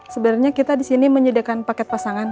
sebenarnya kita di sini menyediakan paket pasangan